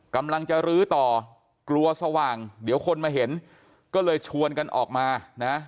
กำลังจะรื้อต่อกลัวสว่างเดี๋ยวคนมาเห็นก็เลยชวนกันออกมานะ